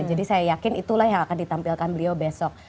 jadi saya yakin itulah yang akan ditampilkan beliau besok